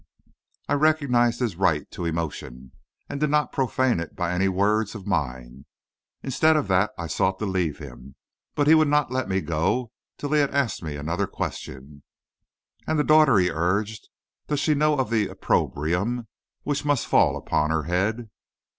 I recognized his right to emotion, and did not profane it by any words of mine. Instead of that I sought to leave him, but he would not let me go till he had asked me another question. "And the daughter?" he urged. "Does she know of the opprobrium which must fall upon her head?"